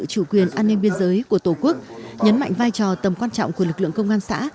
chủ quyền an ninh biên giới của tổ quốc nhấn mạnh vai trò tầm quan trọng của lực lượng công an xã